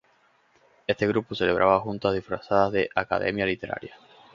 Este grupo celebraba juntas disfrazadas de "academia literaria".